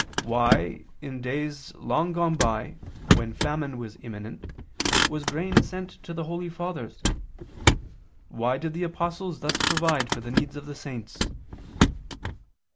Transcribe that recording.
Why, in days long gone by, when famine was imminent, was grain sent to the holy fathers? Why did the apostles thus provide for the needs of the saints?"